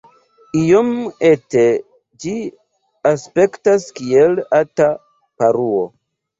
Iom ete ĝi aspektas, kiel eta paruo.